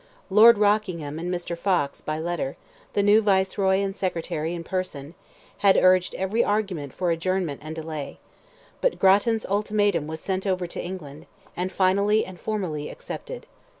Lord Rockingham and Mr. Fox by letter, the new Viceroy and Secretary in person, had urged every argument for adjournment and delay, but Grattan's ultimatum was sent over to England, and finally and formally accepted.